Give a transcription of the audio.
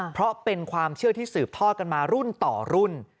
เพราะเป็นความเชื่อที่สืบทอดกันมารุ่นต่อรุ่น